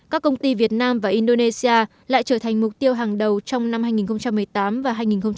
các công ty việt nam và indonesia lại trở thành mục tiêu hàng đầu trong năm hai nghìn một mươi tám và hai nghìn một mươi chín